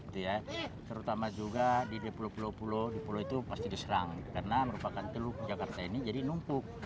terutama juga di pulau pulau di pulau itu pasti diserang karena merupakan teluk jakarta ini jadi numpuk